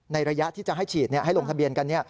ระยะที่จะให้ฉีดให้ลงทะเบียนกัน